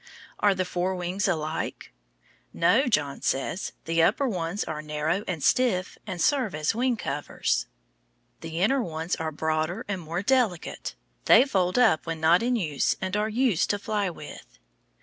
Are the four wings alike? No, John says, the upper ones are narrow and stiff and serve as wing covers. The inner ones are broader and more delicate. They fold up when not in use and are used to fly with.